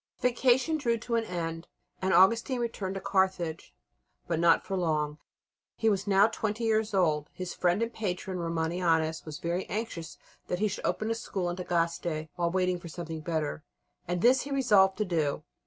The vacation drew to an end, and Augustine returned to Carthage, but not for long. He was now twenty years old. His friend and patron, Romanianus, was very anxious that he should open a school in Tagaste while waiting for something better, and this he resolved to do.